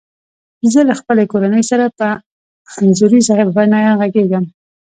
زه له خپلي کورنۍ سره په انځوریزه بڼه غږیږم.